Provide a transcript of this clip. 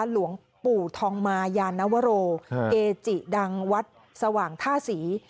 หลวงปู่ทองมายานวโรเกจิดังวัดสว่างท่าศรี